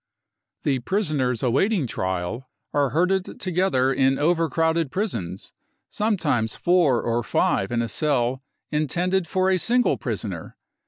The prisoners awaiting trial are herded together in over crowded prisons, sometimes four or five in a cell intended for a single prisoner.